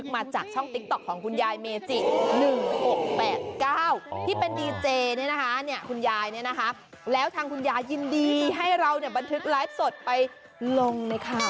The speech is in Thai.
ไม่บอกเลยว่าเหล่าสูงวัยใจยังเก่าจริง